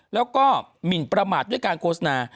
แล้วก็หมินประมาทด้วยการโฆษณา